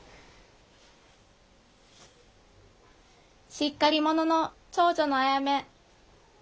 しっかり者の長女のあやめ。